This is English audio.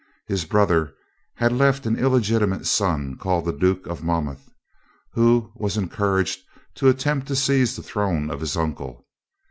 His brother had left an illegitimate son called the Duke of Monmouth, who was encouraged to attempt to seize the throne of his uncle.